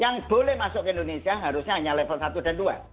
yang boleh masuk ke indonesia harusnya hanya level satu dan dua